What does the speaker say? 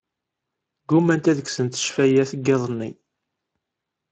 Ggumant ad kksent ccfayat n yiḍ-nni.